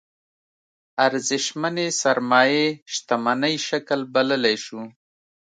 ارزشمنې سرمايې شتمنۍ شکل بللی شو.